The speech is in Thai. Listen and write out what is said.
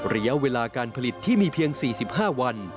ระยะเวลาการผลิตที่มีเพียง๔๕วัน